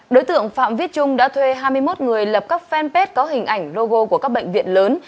đối tượng phạm viết trung đã thuê hai mươi một người lập các fanpage có hình ảnh logo của các bệnh viện lớn